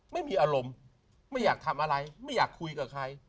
ไม่มีอารมณ์ไม่อยากทำอะไรไม่อยากคุยกับใคร